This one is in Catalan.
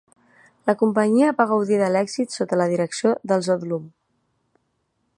La companyia va gaudir de l'èxit sota la direcció dels Odlum.